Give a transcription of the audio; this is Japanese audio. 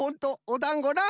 おだんごな。